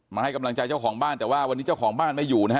ให้กำลังใจเจ้าของบ้านแต่ว่าวันนี้เจ้าของบ้านไม่อยู่นะฮะ